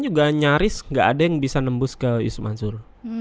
juga nyaris nggak ada yang bisa nembus ke yusuf mansur